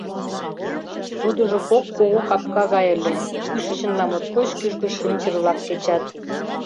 Тудыжо кок кугу капка гай ыле, кӱшычынла моткоч кӱжгӧ шинчыр-влак кечат.